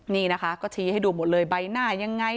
นี่นะคะก็ชี้ให้ดูหมดเลยใบหน้ายังไง